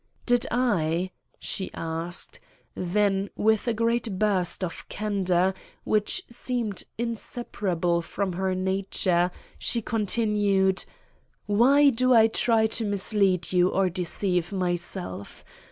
"Did I?" she asked; then with a great burst of candor, which seemed inseparable from her nature, she continued: "Why do I try to mislead you or deceive myself?